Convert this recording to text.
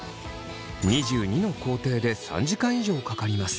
２２の工程で３時間以上かかります。